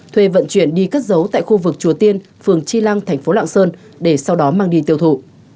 thuê vận chuyển đi cất dấu tại khu vực chùa tiên phường chi lăng tp lạng sơn để sau đó mang đi tiêu thụ